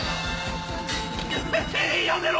やめろ！